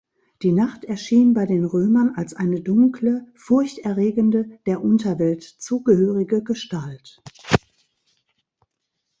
Die Nacht erschien bei den Römern als eine dunkle, furchterregende, der Unterwelt zugehörige Gestalt.